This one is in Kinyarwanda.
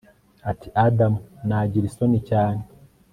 Ati Adam Nagira isoni cyane